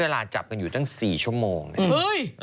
ปลาหมึกแท้เต่าทองอร่อยทั้งชนิดเส้นบดเต็มตัว